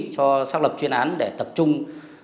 cho xác lập chuyên án để tập trung